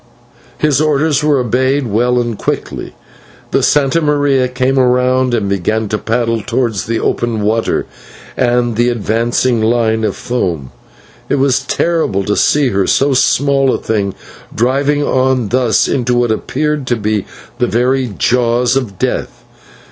His orders were obeyed well and quickly, the /Santa Maria/ came round and began to paddle towards the open water and the advancing line of foam. It was terrible to see her, so small a thing, driving on thus into what appeared to be the very jaws of death.